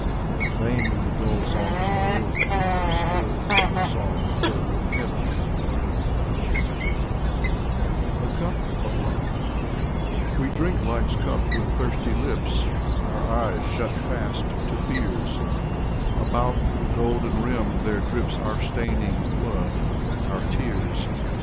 And vainly the dull songs of earth would have stilled The song wherewith heaven had thrilled. Mikhail Lermontov 19 / THE CUP OF LIFE W? drink life's cup with thirsty lips, Our eyes shut fast to fears; About the golden rim there drips Our staining blood, our tears.